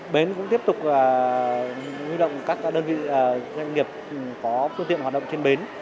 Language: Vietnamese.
bến cũng tiếp tục huy động các đơn vị doanh nghiệp có phương tiện hoạt động trên bến